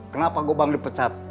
kenapa gobang dipecat